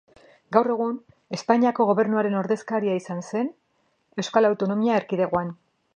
Gaur egun, Espainiako Gobernuaren ordezkaria izan zen Euskal Autonomia Erkidegoan.